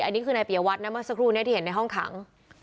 อันนี้คือในเปียวัตรไม่เจ้าสักครู่ที่เห็นในห้องขัง